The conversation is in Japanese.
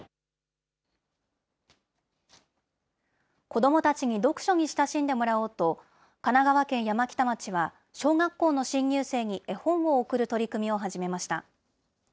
子どもたちに読書に親しんでもらおうと、神奈川県山北町は、小学校の新入生に絵本を贈る取り組みを始めました。